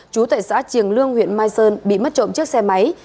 chú tại xã triềng lương huyện mai sơn bị mất trộm chất